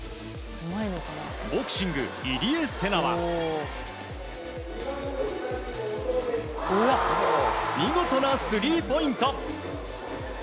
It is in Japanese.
ボクシング、入江聖奈は見事なスリーポイント。